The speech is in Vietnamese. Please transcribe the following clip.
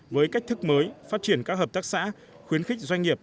với cách thức mới phát triển các hợp tác xã khuyến khích doanh nghiệp